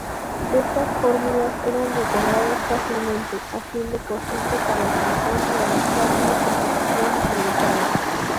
Estas fórmulas eran recordadas fácilmente, haciendo posible para el cantor realizar una composición improvisada.